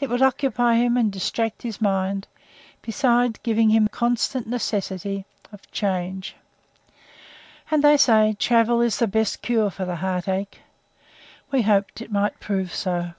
It would occupy him and distract his mind, besides giving him constant necessity of change. And, they say, travel is the best cure for the heart ache. We hoped it might prove so.